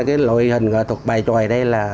cái lội hình ngõ thuật bài tròi đây là